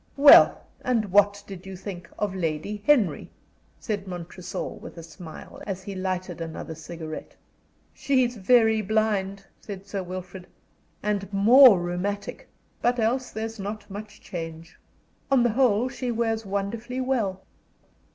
"Well, and what did you think of Lady Henry?" said Montresor, with a smile, as he lighted another cigarette. "She's very blind," said Sir Wilfrid, "and more rheumatic. But else there's not much change. On the whole she wears wonderfully well."